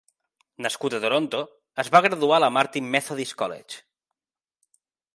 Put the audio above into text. Nascut a Toronto, es va graduar a la Martin Methodist College.